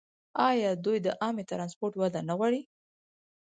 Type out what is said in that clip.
آیا دوی د عامه ټرانسپورټ وده نه غواړي؟